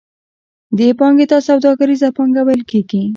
دې پانګې ته سوداګریزه پانګه ویل کېږي